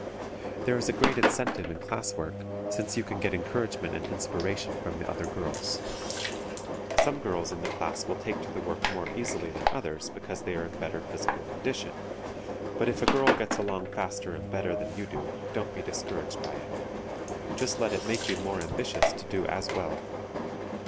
There is a great incentive in class work, since you can get encouragement and inspiration from the other girls. Some girls in the class will take to the work more easily than others because they are in better physical condition, but if a girl gets along faster and better than you do, don't be discouraged by it. Just let it make you more ambitious to do as well.